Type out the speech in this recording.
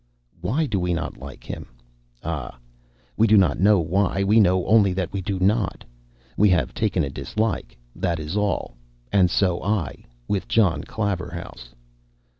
Why do we not like him? Ah, we do not know why; we know only that we do not. We have taken a dislike, that is all. And so I with John Claverhouse.